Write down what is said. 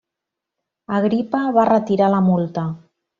Agripa va retirar la multa.